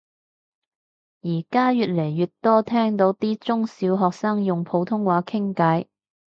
而家越嚟越多聽到啲中小學生用普通話傾偈